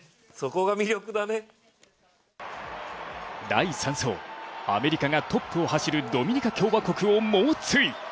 第３走、アメリカがトップを走るドミニカ共和国を猛追。